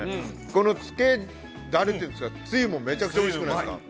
このつけだれっていうんですか、つゆも、めちゃくちゃおいしくないですか。